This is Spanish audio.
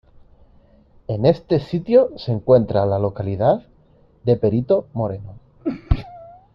En este sitio se encuentra la localidad de Perito Moreno.